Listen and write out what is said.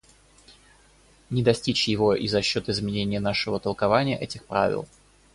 Не достичь его и за счет изменения нашего толкования этих правил.